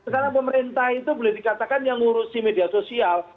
karena pemerintah itu boleh dikatakan yang ngurusi media sosial